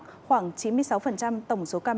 khoảng chín mươi sáu tổng số ca mắc